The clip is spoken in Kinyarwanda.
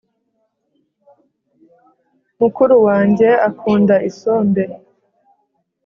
mukuru wanjye akunda isombe